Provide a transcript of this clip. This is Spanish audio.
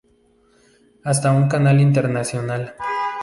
Hasta un canal internacional